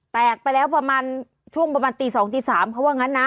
แตกไปแล้วประมาณช่วงประมาณตี๒ตี๓เขาว่างั้นนะ